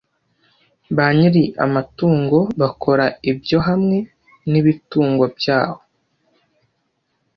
ba nyiri amatungo bakora ibyo hamwe nibitungwa byabo